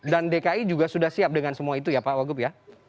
dan dki juga sudah siap dengan semua itu ya pak wagub ya